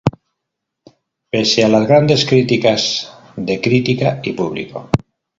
Pese a las grandes críticas de crítica y público.